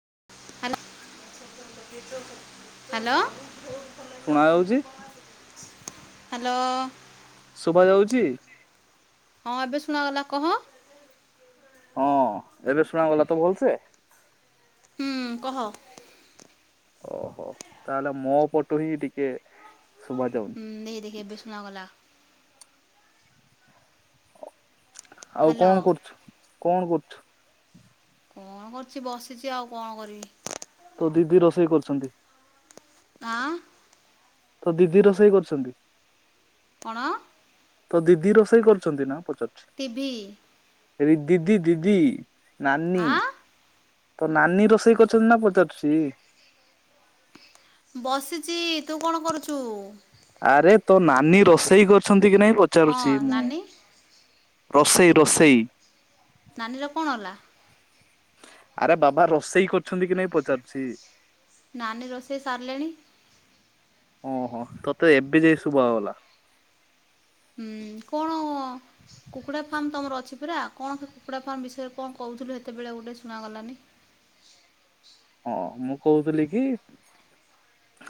Hello. ଶୁଣା ଯାଉଛି hello. Hello. ଶୁଭା ଯାଉଚି? ହଁ ଏବେ ଶୁଣାଗଲା କହ। ହଁ ଏବେ ଶୁଣା ଗଲା ତ ଭଲସେ। କହ ହୁଁ ଓହୋ ତାହେଲେ ମୋ ପଟୁ ହିଁ ଟିକେ ଶୁଭା ଯାଉନି ହୁଁ ଦେ ଦେଖି ଏବେ ଶୁଣା ଗଲା। ଆଉ ହ୍ୟାଲୋ କଣ କରୁଛୁ କଣ କରୁଛୁ? କଣ କରୁଛି ବସିଛି ଆଉ କଣ କରିବି। ତ ଦିଦି ରୋଷେଇ କରୁଛନ୍ତି। ଆଁ ତ ଦିଦି ରୋଷେଇ କରୁଛନ୍ତି? କଣ? ତୋ ଦିଦି ରୋଷେଇ କରୁଛନ୍ତି ନା ପଚାରୁ ଟିଭି- ରେ ଦିଦି ଦିଦି ନାନୀ। ଆଁ ତ ନାନୀ ରୋଷେଇ କରିଛନ୍ତି ନା ପଚାରୁଛି। ବସିଚି ତୁ କଣ କରୁଛୁ? ଆରେ ତୋ ନାନୀ ରୋଷେଇ କରିଛନ୍ତି କି ନାଇଁ ହଁ ପଚାରୁଛି ମୁଁ। ନାନୀ ରୋଷେଇ ରୋଷେଇ। ନାନୀର କଣ ହେଲା? ଆରେ ବାବା ରୋଷେଇ କରୁଛନ୍ତି କି ନାଇଁ ପଚାରୁଛି। ନାନୀ ରୋଷେଇ ସାରିଲେଣି। ଓହୋ ତୋତେ ଏବେ ଯାଇ ଶୁବାଗଲା। ହୁଁ କଣ କୁକୁଡା ଫାର୍ମ ତମର ଅଛି ପରା କଣ ସେ କୁକୁଡା ଫାର୍ମ ବିଷୟରେ କଣ କହୁ କହୁଥିଲୁ ହେତେବେଳେ ଗୋଟେ ଶୁଣାଗଲାନି। ହଁ, ମୁଁ କହୁଥିଲି କି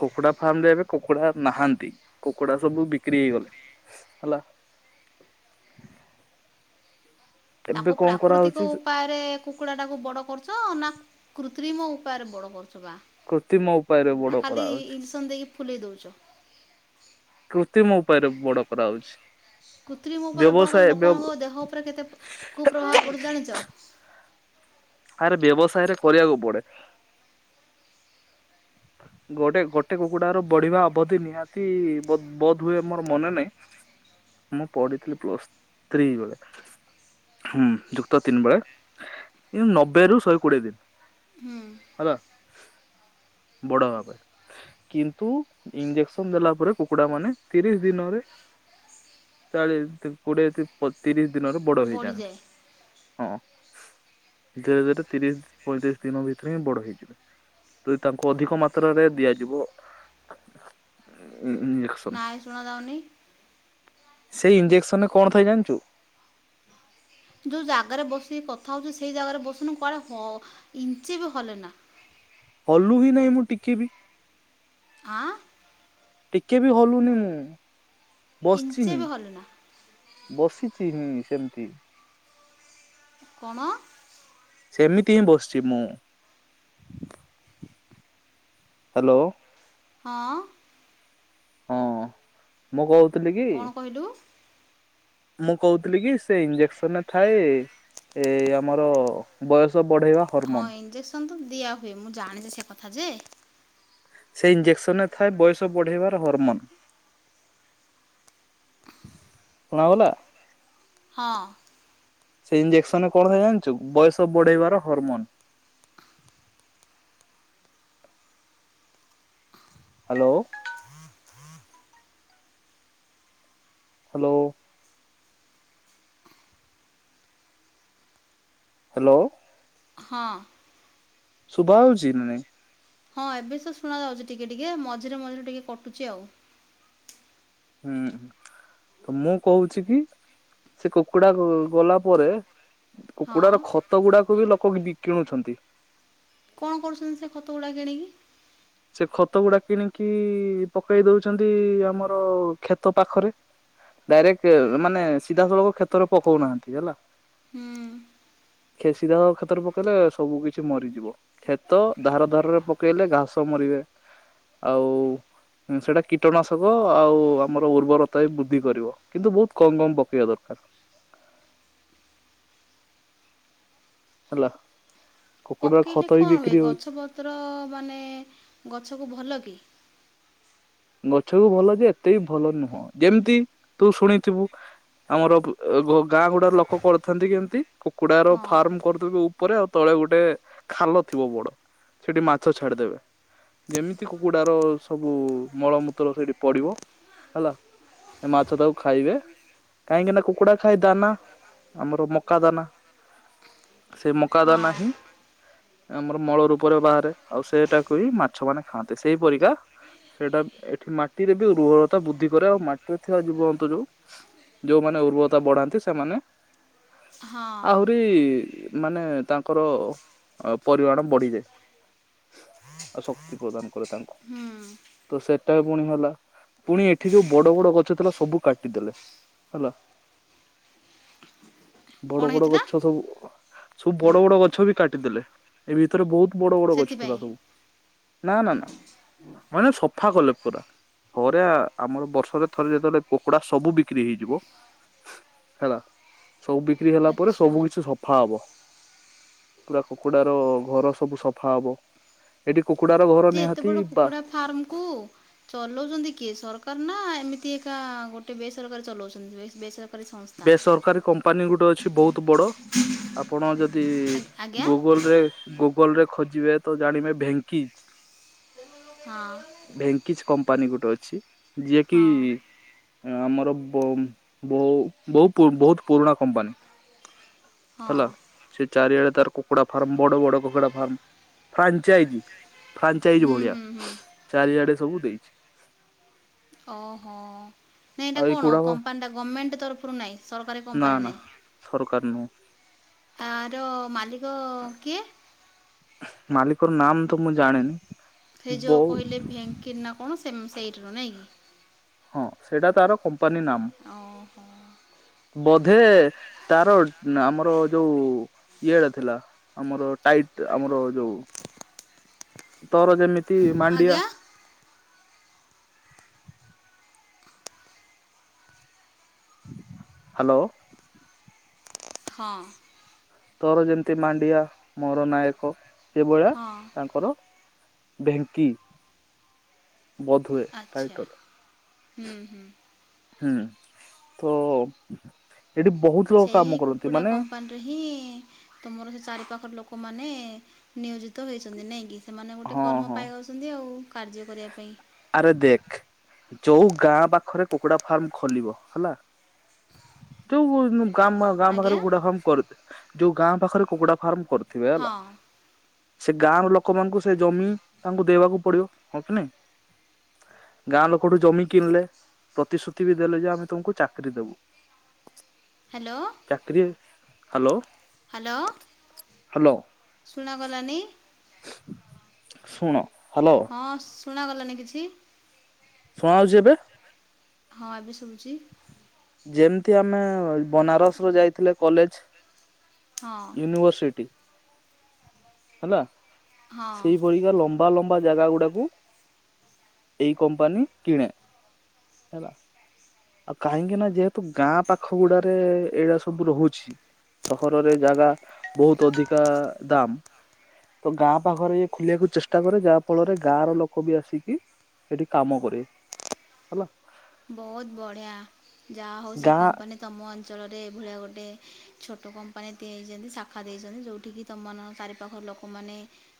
କୁକୁଡା ଫାର୍ମରେ ଏବେ କୁକୁଡା ନାହାନ୍ତି କୁକୁଡା ସବୁ ବିକ୍ରି ହେଇଗଲେ। ହେଲା। ହଁ। ଏବେ ତାକୁ କଣ କରାହଉଛି ପ୍ରାକୃତିକ ଉପାୟରେ କୁକୁଡା ଟାକୁ ବଡ କରୁଛ ନା କୃ ତ୍ରିମ ଉପାୟରେ ବଡ଼ କରୁ ଛବା କୃତ୍ରିମ ଉପାୟରେ ବଡ ନା ଖାଲି କରାହଉଛି। ଇଞ୍ଜେକ୍ସନ ଦେଇକି ଫୁଲେଇ ଦେଉଛ। କୃତ୍ରିମ ଉପାୟରେ ବଡ କରାହଉଛି। କୃତ୍ରିମ ଉପାୟରେ ବଡ ବ୍ୟବସାୟ କଲେ ଲୋକମାନଙ୍କ ଦେହ ଉପରେ କେତେ କୁପ୍ରଭାବ ପଡୁଛି ଜାଣିଛ। ଆରେ ବ୍ୟବସାୟରେ କରିବାକୁ ପଡେ। [inaudible] ଗୋଟେ ଗୋଟେ କୁକୁଡାର ବଢିବା ଅବଧି ନିହାତି ବେ ବେଧ୍ ହୁଏ ମୋର ମନେ ନାହିଁ। ମୁଁ ପଢିଥିଲି ପ୍ଲସ୍ ଥ୍ରୀ ବେଳେ। ହୁଁ ଯୁକ୍ତ ତିନି ବେଳେ ଏ ନବେରୁ ଶହେ କୋଡିଏ ଦିନ। ହୁଁ ହେଲା। ବଡ ଭାବେ କିନ୍ତୁ ଇଞ୍ଜେକ୍ସନ ଦେଲା ପରେ କୁକୁଡା ମାନେ ତିରିଶ ଦିନରେ [inaudible] ଚାଳିଶ ତିପ୍ କୋଡିଏ ତିପ୍ ପ ତିରିଶ ଦିନରେ ବଡ ହେଇଯାଆନ୍ତି। ବଢ଼ିଯାଏ ହଁ [inaudible] ଧୀରେ ଧୀରେ ତିରିଶ ପଇଁତିରିଶ ଦିନ ଭିତରେ ହିଁ ବଡ ହେଇଯିବେ। ତୁ ତାଙ୍କୁ ଅଧିକ ମାତ୍ରାରେ ଦିଆଯିବ। ଇଞ୍ଜେକ୍ସନ ନାଇଁ ଶୁଣାଯାଉନି। ସେଇ ଇଞ୍ଜେକ୍ସନରେ କ'ଣ ଥାଏ ଜାଣିଛୁ? ଯୋଉ ଜାଗାରେ ବସିକି କଥା ହଉଛୁ ସେଇ ଜାଗାରେ ବସୁନୁ କୁଆଡେ ହ ଇଞ୍ଚେ ବି ହଲେନା। ହଁ [unintelligible] ହଲୁ ହିଁ ନାହିଁ ମୁଁ ଟିକେ ବି। ଆ। ଟିକେ ବି ହଲୁନି ମୁଁ ବସଛିିଁ ଇଞ୍ଚେ ବି ହଲେନା ବସି ଛି ହିଁ ସେମତି। କ'ଣ? ସେମିତି ହିଁ ବସଛି ମୁଁ। ହ୍ୟାଲୋ। ହଁ। ହଁ ମୁଁ କହୁ କ'ଣ କହିଲୁ? ମୁଁ କହୁଥିଲି କି ସେ ଇଞ୍ଜେକ୍ସନରେ ଥାଏ ଏ ଆମର ବୟସ ବଢେଇବା ହଁ ହରମୋନ ଇଞ୍ଜେକ୍ସନ ତ ଦିଆ ହୁଏ ମୁଁ ଜାଣିଛି ସେ କଥା ଯେ। ସେ ଇଞ୍ଜେକ୍ସନରେ ଥାଏ ବୟସ ବଢ଼େଇବାର ହରମୋନ୍। ଶୁଣା ଗଲା? ହଁ। ସେଇ ଇଞ୍ଜେକ୍ସନ କ'ଣ ହୁଏ ଜାଣିଛୁ? ବୟସ ବଢେଇବାର ହରମୋନ୍। [inaudible] ହ୍ୟାଲୋ। ହ୍ୟାଲୋ। ହ୍ୟାଲୋ। ହଁ। ଶୁଭା ଯାଉଛି ନା ନାହିଁ? ହଁ, ଏବେ ସବୁ ଶୁଣା ଯାଉଛି ଟିକେ ଟିକେ ମଝିରେ ମଝିରେ ଟିକେ କଟୁଛି ଆଉ। ହୁଁ ତ ମୁଁ କହୁଛି କି ସେ କୁକୁଡା ଗ ଗଲା ପରେ ହଁ କୁକୁଡାର ଖତ ଗୁଡାକୁ ବି ଲୋକ କିଣୁଛନ୍ତି। କଣ କରୁଛନ୍ତି ସେ ଖତ ଗୁଡ଼ା କିଣିକି। ସେ ଖତ ଗୁଡା କିଣିକି ପକେଇ ଦଉଛନ୍ତି ଆମର କ୍ଷେତ ପାଖରେ। ଡାଇରେକ୍ଟ ମାନେ ସିଧାସଳଖ କ୍ଷେତରେ ପକଉନାହାନ୍ତି ହେଲା। ହୁଁ। ଖେସି କ୍ଷେତରେ ପକେଇଲେ ସବୁ କିଛି ମରିଯିବ କ୍ଷେତ ଧାର ଧାରରେ ପକେଇଲେ ଘାସ। ମରିବେ ଆଉ। ସେଇଟା କୀଟନାଶକ ଆଉ ଆମର ଉର୍ବରତା ବୃଦ୍ଧି କରିବ କିନ୍ତୁ ବହୁତ କମ କମ ପକେଇବା ଦରକାର। [inaudible] ହେଲା। କୁକୁଡାର ପକେଇଲେ ଖତ ବି କଣ ହୁଏ ବିକ୍ରି ହଉଛି ଗଛ ପତ୍ର ମାନେ ଗଛ କୁ ଭଲ କି। ଗଛକୁ ଭଲ ଯେ ଏତେ ଭଲ ନୁହଁ ଯେମିତି ତୁ ଶୁଣିଥିବୁ। ଆମର ଗାଁ ଗୁଡା ଲୋକ କରିଥାନ୍ତି କେମିତି କୁକୁଡାର ହଁ ଫାର୍ମ କରିିଥିବେ ଉପରେ ଆଉ ତଳେ। ଗୋଟେ ଖାଲ ଥିବ ବଡ ସେଠି ମାଛ ଛାଡିଦେବେ। ଯେମିତି କୁକୁଡାର ସବୁ ମଳମୂତ୍ର ସେଇଠି ପଡିବ ହେଲା। ଏ ମାଛ ତାକୁ ଖାଇବେ। କାହିଁକିନା କୁକୁଡା ଖାାଇ ଦାନା ଆମର ମକା ଦାନା। ସେ ମକା ହଁ ଦାନା ହିଁ। ଆମର ମଳ ରୂପରେ ବାହାରେ ଆଉ ସେଇଟାକୁ ହିଁ ମାଛ ମାନେ ଖାଆନ୍ତି ସେଇପରିକା। ସେଇଟା ଏଠି ମାଟିରେ ବି ଉବ୍ରର୍ତା ବୃଦ୍ଧି କରେ ଆଉ ମାଟିରେ ଥିବା ଜୀବ ଜନ୍ତୁ ଯୋଉ। ଯୋଉମାନେ ଉର୍ବରତା ବଢାନ୍ତି ସେମାନେ ହଁ ଆହୁରି ମାନେ ତାଙ୍କର ପରିମାଣ ବଢିଯାଏ। ଆଉ ଶକ୍ତି ପ୍ରଦାନ କରେ ତାଙ୍କୁ। ହୁଁ। ତ ସେଟା ପୁଣି ହେଲା ପୁଣି ଏଠି ଯୋଉ ବଡ ବଡ ଗଛ ଥିଲା ସବୁ କାଟିଦେଲେ। ହେଲା [inaudible] କଣ ବଡ଼ ବଡ଼ ହେଇଥିଲା ଗଛ ସବୁ ସବୁ ବଡ଼ ବଡ଼ ଗଛ ବି କାଟିଦେଲେ ଏ ଭିତରେ ବହୁତ ବଡ଼ ବଡ଼ ଗଛ ଥିଲା ସେଥିପାଇଁ ସବୁ ନା ନା ନା ମାନେ ସ ସଫା କଲେ ପା ଥରେ ଆମର ବର୍ଷରେ ଥରେ ଯେତେବେଳେ କୁକୁଡ଼ା ସବୁ ବିକ୍ରି ହେଇଯିବ। ହେଲା ସବୁ ବିକ୍ରି ହେଲା ପରେ ଆଚ୍ଛା। ସବୁ କିଛି ସଫା ହବ। ପୁରା କୁକୁଡ଼ା ର ଘର ସବୁ ସଫା ହବ ଏଠି କୁକୁଡାର ଘର ଯେ ଏତେ ନିହାତି ବଡ ବା କୁକୁଡା ଫାର୍ମକୁୁ। ଚଲାଉଛନ୍ତି କିଏ ସରକାର ନା ଏମିତି ଏକା ଗୋଟେ ବେସରକାର ଚଲାଉଛନ୍ତି ବେସରକାର ବେସରକାରୀ କମ୍ପାନୀ ଗୋଟେ ଅଛି ବହୁତ ବଡ ଆପଣ ଯଦି ଆ- ଯଦି ଆଜ୍ଞା ଗୁଗଲ ରେ ଗୁଗଲ ରେ ଖୋଜିବେ ତ ଜାଣିବେ ଭେଙ୍କିଚ୍ ହଁ। କିଛି କମ୍ପାନୀ ଗୋଟେ ଅଛି ଯିଏକି ହଁ ଆମର ବୋଉ ଉଁ ବୋଉ। ବହୁତ ବହୁତ୍ ପୁରୁଣା କମ୍ପାନୀ। ହଁ ହେଲା ସେ ଚାରିଆଡେ ତାର କୁକୁଡା ଫାର୍ମ ବଡ଼ ବଡ଼ କୁକୁଡା ଫାର୍ମ। ଫ୍ରାଞ୍ଚାଇଜ ଫ୍ରାଞ୍ଚାଇଜ ହୁଁ ଭଳିଆ ହୁଁ ହୁଁ। ଚାରିଆଡେ ସବୁ ଦେଇଛି। ଓହୋ ନାଇଁ ଏଇଟା ଆଉ କଣ ଏଇଗୁଡାକ କମ୍ପାନୀ ଟା ଗଭର୍ଣମେଣ୍ଟ ତରଫରୁ ନାଇଁ ସ ନା ନା ସରକାର ନୁହଁ ଆର ମାଲିକ କିଏ? ମାଲିକ ର ନାମ୍ ତ ମୁଁ ଜାଣିନି। ସେ ଯୋଉଁ ବୋଉ କହିଲେ ଭେଙ୍କି ନା କଣ ସେଇଠରୁ ନାଇଁ କି? ହଁ ସେଇଟା ତାର କ ଓହୋ। ବଧ ତାର ଆମର ଯୋଉ ଇଏଡ ଥିଲା ଆମର ଟାଇଟ୍ ଆମ ଆର ଯୋଉ ତୋର ଯେମିତି ମାଣ୍ଡିଆ। ଆଜ୍ଞା ହାଲୋ। ହଁ। ତୋର ଯେମିତି ମାଣ୍ଡିଆ ମୋର ନାୟକ ସେ ଭଳିଆ ହଁ ତାଙ୍କର। ଭେଙ୍କି। ବୋଧୁଏ ଆଚ୍ଛା। ଟାଇଟଲ ହୁଁ ହୁଁ ହୁଁ। ତୋ। ସେଇ କୁକୁଡା କମ୍ପାନୀରେ ହିଁ ତୁମର ସେ ଚାରି ପା ଲୋକମାନେ ନିୟୋଜିତ ହେଇଛନ୍ତି ନାଇକି ସେମାନେ ଗୋଟେ ହଁ କର୍ମ ହଁ ପାଇ ଯାଉଛନ୍ତି ଆଉ। କାର୍ଯ୍ୟ କରିବା ପାଇଁ। ଆରେ ଦେଖ ଯୋଉ ଗାଁ ପାଖରେ କୁକୁଡା ଫାର୍ମ ଖୋଲିବ ହେଲା ଯୋଉ। [unintelligible] ଗାମ ଗାଁ ଆଜ୍ଞା ପାଖରେ କୁକୁଡା ଫାର୍ମ କରିଦେ ଯୋଉ ଗାଁ ପାଖରେ କୁକୁଡା ଫାର୍ମ କରୁଥିବେ ହଁ ହେଲା। ସେ ଗାଁ ର ଲୋକମାନଙ୍କୁ ସେ ଜମି ତାଙ୍କୁ ଦେବାକୁ ପଡିବ ହଁ କି ନାଇ। ଗାଁ ଲୋକଠୁ ଜମି କିଣିଲେ। ପ୍ରତିଶ୍ରୁତି ବି ଦେଲେ ଯେ ଆମେ ତମକୁ ଚାକିରି ଦେବୁ। ଚାକିରୀ ହାଲୋ। ହାଲୋ ଶୁଣା ଗଲାନି। ଶୁଣ। ହ୍ୟାଲୋ ହଁ ଶୁଣାଗଲାନି କିଛି। ଶୁଣା ହଉଛି ଏବେ। ହଁ ଏବେ ଶୁଭୁଛି। ଯେମିତି ଆମେ ବନାରସ ରୁ ଯାଇଥିଲେ କଲେଜ। ହଁ ୟୁନିଭର୍ସିଟି। ହେଲା ହଁ ସେଇପରିକା ଲମ୍ବା ଲମ୍ବା ଜାଗା ଗୁଡାକୁ। ଏଇ କମ୍ପାନୀ କିଣେ ହେଲା। ଆଉ କାହିଁକି ନା ଯେହେତୁ ଗାଁ ପାଖ ଗୁଡାରେ ଏଇଡା ସବୁ ରହୁଛି। ସହରରେ ଜାଗା ବହୁତ ଅଧିକା ଦାମ। ତ ଗାଁ ପାଖରେ ଇଏ ଖୋଲିବାକୁ ଚେଷ୍ଟା କରେ ଯାହା ଫଳରେ ଗାଁ ର ଲୋକ ବି ଆସିକି। ଏଠି କାମ କରିବେ ହେଲା। ବହୁତ ବଢିଆ ଯାହା ହଉ ସେ ଗାଁ କମ୍ପାନୀ ତମ ଅ ଅଞ୍ଚଳରେ ଏଭଳିଆ ଗୋଟେ ଛୋଟ କମ୍ପାନୀ ଦେଇଛନ୍ତି ଶାଖା ଦେଇଛନ୍ତି ଯୋଉଠିକି ତମ ମାନଙ୍କ ଚାରିପାଖ ଲୋ ଲୋକମାନେ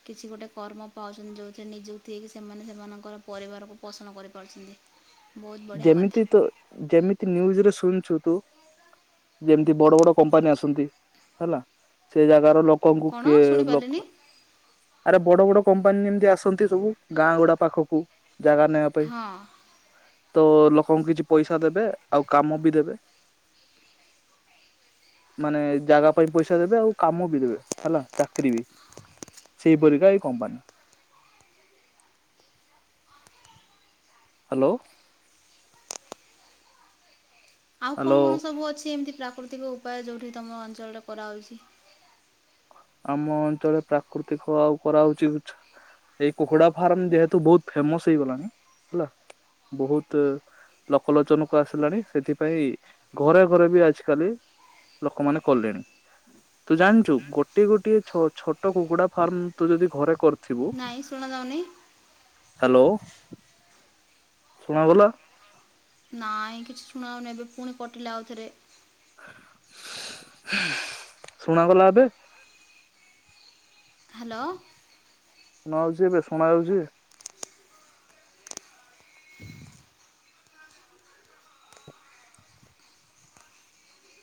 କିଛି ଗୋଟେ କର୍ମ ପାଉଛନ୍ତି ଯଉଥିରେ ନିଯୁକ୍ତି ହେଇକି ସେମାନେ ସେମାନଙ୍କର ପରିବାରକୁ ପୋଷଣ କରିପାରୁଛନ୍ତି ବୁ ଯେମିତି ତ ଯେମିତି ନ୍ୟୁଜ ରେ ଶୁଣଛୁ। ତୁ ଯେମିତି ବଡ ବଡ କମ୍ପାନୀ ଆସନ୍ତି ହେଲା ସେ ଜାଗାର ଲୋ ଲୋକଙ୍କୁ କଣ କିଏ ଶୁଣିପାରିଲିନି ଲୋକ ଆରେ ବଡ ବଡ। କମ୍ପାନୀ ଏମିତି ଆସନ୍ତି ସବୁ ଗାଁ ଗୁଡା ପାଖକୁ ଜାଗା ନେବା ପାଇଁ। ହଁ ଓ ଲୋକଙ୍କୁ କିଛି ପଇସା ଦେବେ ଆଉ କାମ ବି ଦେବେ। ମାନେ ଜାଗା ପାଇଁ ପଇସା ଦେବେ ଆଉ କାମ ବି ଦେବେ ହେଲା ଚାକିରୀ ବି। ସେଇ ପରିକା ଏଇ କମ୍ପାନୀ। [inaudible] ହାଲୋ। ଆଉ କଣ ହ୍ୟାଲୋ କଣ ସବୁ ଅଛି ଏମିତି ପ୍ରାକୃତିକ ଉପାୟ ଯୋଉଠି ତମ ଅଞ୍ଚଳରେ କରାହଉଚି। ଆମ ଅଞ୍ଚଳରେ ପ୍ରାକୃତିକ ଆଉ କରାହଉଚି ଛି। ଏଇ କୁକୁଡା ଫାର୍ମ ଯେହେତୁ ବହୁତ ଫେମସ ହେଇଗଲାଣି ହେଲା ବହୁତ। ଲୋକଲୋଚନକୁ ଆସିଲାଣି ସେଥିପାଇଁ ଘରେ ଘରେ ବି ଆଜିକାଲି। ଲୋକମାନେ କଲେଣି ତୁ ଜାଣିଛୁ ଗୋ ଗୋଟିଏ ଗୋଟିଏ ଛୋ ଛୋଟ କୁକୁଡା ଫାର୍ମ ତୁ ଯଦି ଘରେ କର ନାଇଁ ଶୁଣା ଯାଉନି। ହାଲୋ। ଶୁଣା ଗଲା? ନାଇଁ କିଛି ଶୁଣାହଉନି ଏବେ ପୁଣି କଟିଲା ଆଉ ଥରେ। ଶୁଣାଗଲା ଏବେ ହାଲୋ। ଶୁଣାଯାଉଚି ଏବେ ଶୁଣାଯାଉଚି? [inaudible]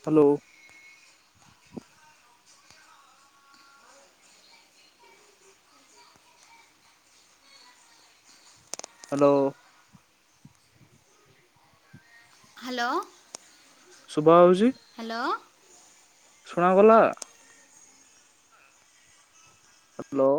ହାଲୋ। ହାଲୋ। ହାଲୋ। ଶୁଭା ହୋଉଛି? ହାଲୋ। ଶୁଣାଗଲା? ହାଲୋ।